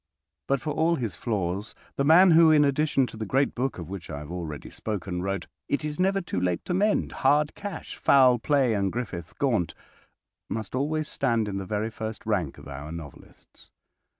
But, for all his flaws, the man who, in addition to the great book, of which I have already spoken, wrote "It is Never Too Late to Mend," "Hard Cash," "Foul Play," and "Griffith Gaunt," must always stand in the very first rank of our novelists.